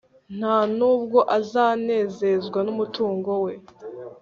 nta n'ubwo azanezezwa n'umutungo we